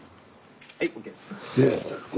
・はいＯＫです。